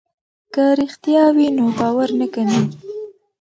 که رښتیا وي نو باور نه کمیږي.